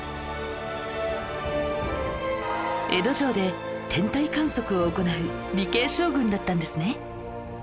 江戸城で天体観測を行う理系将軍だったんですね